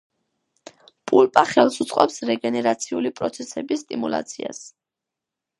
პულპა ხელს უწყობს რეგენერაციული პროცესების სტიმულაციას.